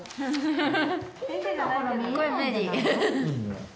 フフフ！